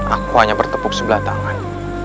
aku hanya bertepuk sebelah tangan